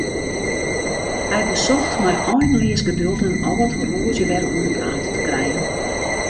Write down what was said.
Hy besocht mei einleas geduld in âld horloazje wer oan 'e praat te krijen.